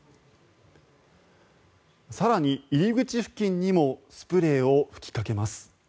更に、入り口付近にもスプレーを吹きかけます。